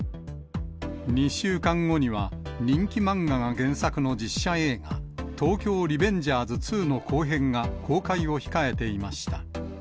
２週間後には、人気漫画が原作の実写映画、東京リベンジャーズ２の後編が公開を控えていました。